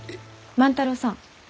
万太郎さん